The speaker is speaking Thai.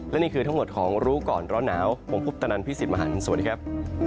และนี่คือทั้งหมดของรู้ก่อนร้อนหนาวผมพุทธนันพี่สิทธิ์มหันฯสวัสดีครับ